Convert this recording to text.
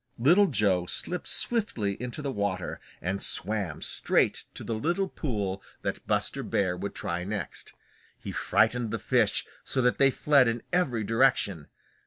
Little Joe slipped swiftly into the water and swam straight to the little pool that Buster Bear would try next. He frightened the fish so that they fled in every direction.